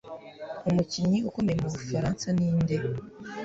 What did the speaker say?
Umukinnyi ukomeye mubufaransa ni inde